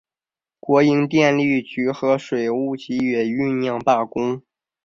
国营电力局和水务局也酝酿罢工。